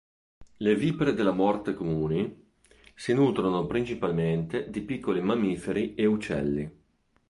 Le vipere della morte comuni si nutrono principalmente di piccoli mammiferi e uccelli.